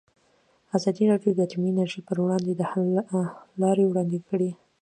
ازادي راډیو د اټومي انرژي پر وړاندې د حل لارې وړاندې کړي.